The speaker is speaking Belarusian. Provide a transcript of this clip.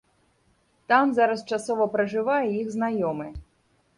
Там зараз часова пражывае іх знаёмы.